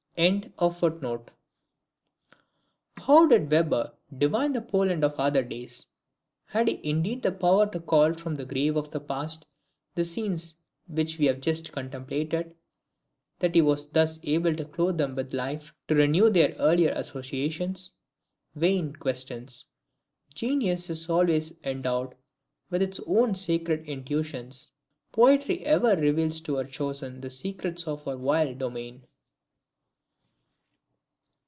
] How did Weber divine the Poland of other days? Had he indeed the power to call from the grave of the past, the scenes which we have just contemplated, that he was thus able to clothe them with life, to renew their earlier associations? Vain questions! Genius is always endowed with its own sacred intuitions! Poetry ever reveals to her chosen the secrets of her wild domain!